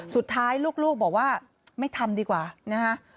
สุดท้ายลูกบอกว่าไม่ทำดีกว่านะฮะ